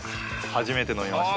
初めて飲みました。